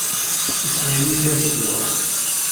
Iswa Yidir ddwa.